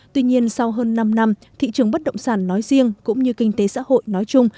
tuy nhiên sau hơn năm năm thị trường bất động sản nói riêng cũng như kinh tế xã hội nói chung